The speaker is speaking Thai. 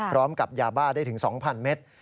พร้อมกับยาบ้าได้ถึง๒๐๐เมตร